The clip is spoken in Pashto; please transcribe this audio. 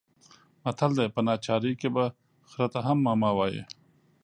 متل دی: په ناچارۍ کې به خره ته هم ماما وايې.